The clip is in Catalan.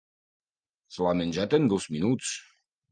Se l'ha menjat en dos minuts.